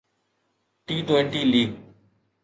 T twenty league